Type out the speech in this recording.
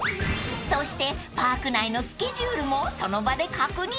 ［そしてパーク内のスケジュールもその場で確認］